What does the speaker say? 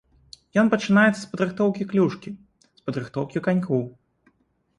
Ён пачынаецца з падрыхтоўкі клюшкі, з падрыхтоўкі канькоў.